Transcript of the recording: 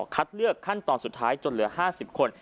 คัดเลือกขั้นตอนสุดท้ายจนเหลือ๕๐คน